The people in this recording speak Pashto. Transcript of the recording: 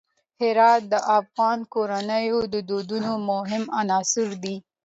هرات د افغان کورنیو د دودونو مهم عنصر دی.